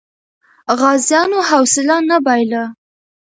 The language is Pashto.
غازیانو حوصله نه بایله.